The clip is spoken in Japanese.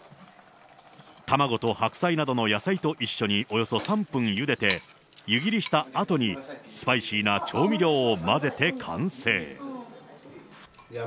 卵と白菜などの野菜と一緒におよそ３分ゆでて、湯切りしたあとに、スパイシーな調味料を混ぜて完成。